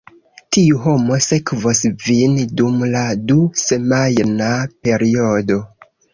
Tiu homo sekvos vin dum la du-semajna periodo.